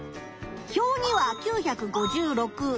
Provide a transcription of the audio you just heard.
表には９５６。